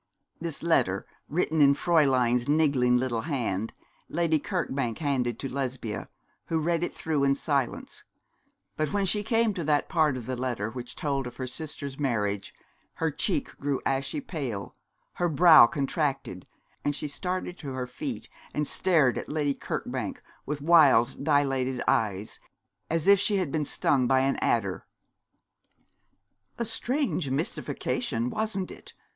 This letter, written in Fräulein's niggling little hand, Lady Kirkbank handed to Lesbia, who read it through in silence; but when she came to that part of the letter which told of her sister's marriage, her cheek grew ashy pale, her brow contracted, and she started to her feet and stared at Lady Kirkbank with wild, dilated eyes, as if she had been stung by an adder. 'A strange mystification, wasn't it?'